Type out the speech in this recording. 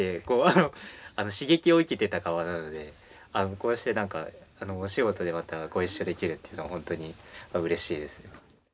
こうしてなんかお仕事でまたご一緒できるっていうのはほんとにうれしいですね。